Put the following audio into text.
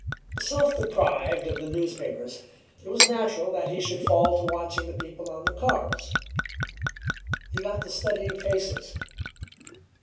Self deprived of the newspapers, it was natural that he should fall to watching the people on the cars. He got to studying faces.